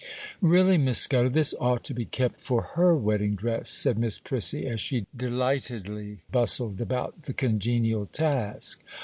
'Really, Miss Scudder, this ought to be kept for her wedding dress,' said Miss Prissy, as she delightedly bustled about the congenial task.